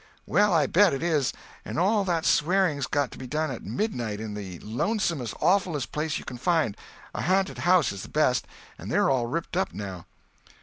"Well, I bet it is. And all that swearing's got to be done at midnight, in the lonesomest, awfulest place you can find—a ha'nted house is the best, but they're all ripped up now."